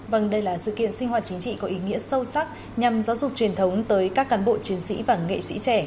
vâng đây là sự kiện sinh hoạt chính trị có ý nghĩa sâu sắc nhằm giáo dục truyền thống tới các cán bộ chiến sĩ và nghệ sĩ trẻ